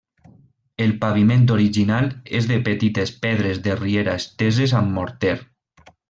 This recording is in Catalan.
El paviment original és de petites pedres de riera esteses amb morter.